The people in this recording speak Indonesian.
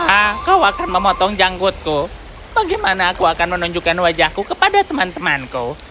aku akan memotong janggutku bagaimana aku akan menunjukkan wajahku kepada teman temanku